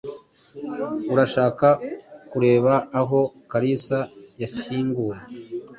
Urashaka kureba aho Kalisa yashyinguwe?